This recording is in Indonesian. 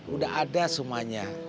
udah ada semuanya